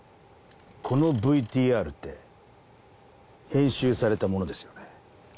このＶＴＲって編集されたものですよね？